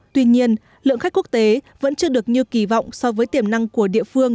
tuy nhiên lượng khách quốc tế vẫn chưa được như kỳ vọng so với tiềm năng của địa phương